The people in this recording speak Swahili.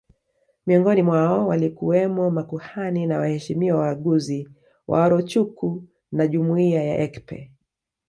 Miongoni mwao walikuwemo makuhani na waheshimiwa waaguzi wa Arochukwu na jumuiya ya Ekpe